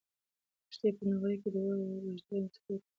لښتې په نغري کې د اور ژوندي سکروټي وپلټل.